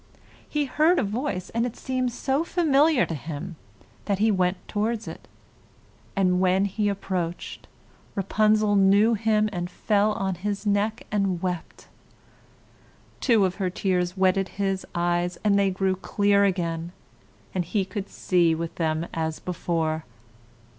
He heard a voice, and it seemed so familiar to him that he went towards it, and when he approached, Rapunzel knew him and fell on his neck and wept. Two of her tears wetted his eyes, and they grew clear again, and he could see with them as before.